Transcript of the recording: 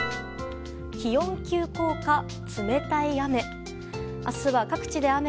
気温急降下、冷たい雨。